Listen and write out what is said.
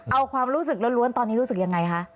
เอาความรู้สึกล้วนตอนนี้รู้สึกยังไงคะ